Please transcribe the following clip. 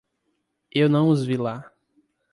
Eu não os vi lá.